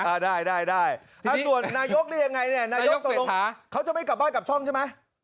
ถ้าตรวจนายกได้ยังไงเนี่ยเค้าจะไม่กลับบ้านกลับช่องใช่ไหม